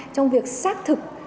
trong việc sắc thực